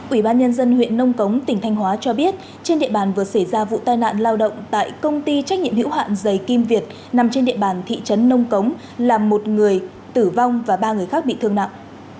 ủy ban nhân dân huyện nông cống tỉnh thanh hóa cho biết trên địa bàn vừa xảy ra vụ tai nạn lao động tại công ty trách nhiệm hữu hạn dày kim việt nằm trên địa bàn thị trấn nông cống làm một người tử vong và ba người khác bị thương nặng